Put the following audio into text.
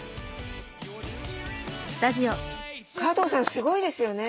すごいですよね。